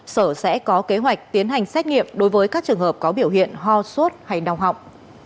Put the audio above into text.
sở sẽ có kế hoạch tiến hành xét nghiệm đối với các trường hợp có biểu hiện ho sốt hay đau họng